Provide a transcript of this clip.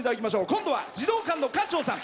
今度は児童館の館長さん。